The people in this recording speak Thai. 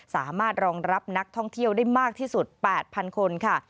สามารถรองรับนักท่องเที่ยวได้มากที่สุด๘๐๐คนค่ะ